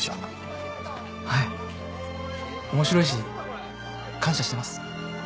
はい面白いし感謝してます。